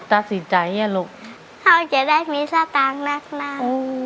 ตัดสินใจอ่ะลูกเท่าจะได้มีสตางค์รักนั้น